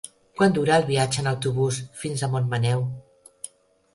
Quant dura el viatge en autobús fins a Montmaneu?